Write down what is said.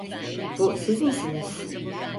Bu siz misiniz?